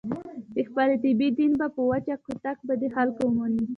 د خپلې طبعې دین به په وچ کوتک په دې خلکو ومني.